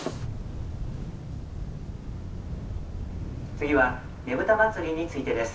「次はねぶた祭についてです」。